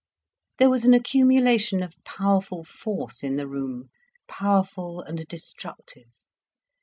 There was an accumulation of powerful force in the room, powerful and destructive.